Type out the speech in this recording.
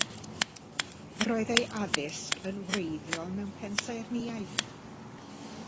Roedd ei addysg yn wreiddiol mewn pensaernïaeth.